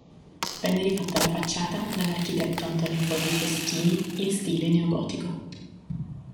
Venne rifatta la facciata dall'architetto Antonio Tosi Foschini in stile neogotico.